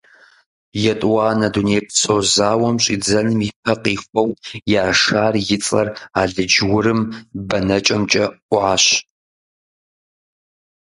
ЕтӀуанэ дунейпсо зауэм щӀидзэным и пэ къихуэу Яшар и цӀэр алыдж-урым бэнэкӀэмкӀэ Ӏуащ.